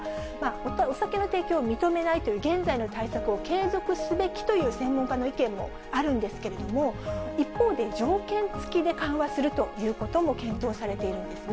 お酒の提供を認めないという、現在の対策を継続すべきという専門家の意見もあるんですけれども、一方で、条件付きで緩和するということも検討されているんですね。